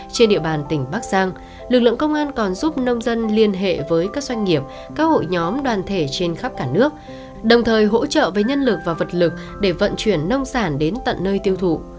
trên địa bàn tỉnh bắc giang lực lượng công an còn giúp nông dân liên hệ với các doanh nghiệp các hội nhóm đoàn thể trên khắp cả nước đồng thời hỗ trợ với nhân lực và vật lực để vận chuyển nông sản đến tận nơi tiêu thụ